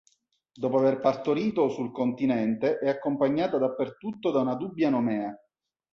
Dopo aver partorito, sul continente è accompagnata dappertutto da una dubbia nomea.